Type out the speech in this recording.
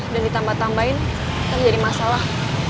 dan ditambah tambahin kan jadi masalah